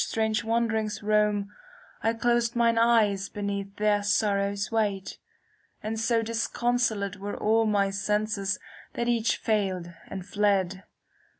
5° CANZONIERE I closed mine eyes beneath their sorrow's weight; And so disconsolate Were all my senses that each failed and fled.